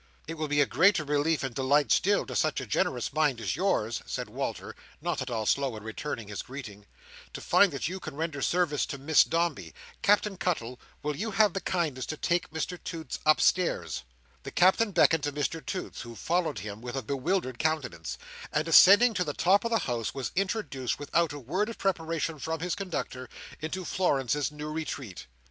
"It will be a greater relief and delight still, to such a generous mind as yours," said Walter, not at all slow in returning his greeting, "to find that you can render service to Miss Dombey. Captain Cuttle, will you have the kindness to take Mr Toots upstairs?" The Captain beckoned to Mr Toots, who followed him with a bewildered countenance, and, ascending to the top of the house, was introduced, without a word of preparation from his conductor, into Florence's new retreat.